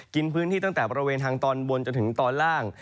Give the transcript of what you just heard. กินพื้นที่ตั้งแต่บริเวณทางตอนบนจนถึงตอนล่าง